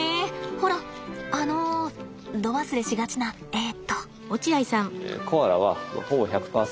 ほらあの度忘れしがちなえと。